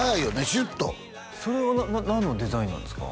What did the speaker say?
シュッとそれは何のデザインなんですか？